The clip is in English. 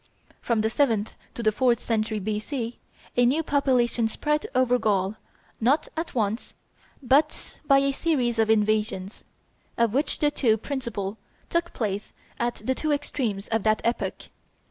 From the seventh to the fourth century B.C., a new population spread over Gaul, not at once, but by a series of invasions, of which the two principal took place at the two extremes of that epoch.